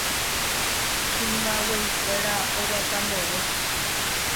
Hymba guéi kuéra oguata mbegue.